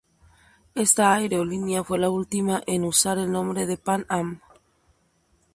Esta aerolínea fue la ultima en usar el nombre de Pan Am.